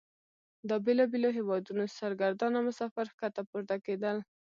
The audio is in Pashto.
د بیلابیلو هیوادونو سرګردانه مسافر ښکته پورته کیدل.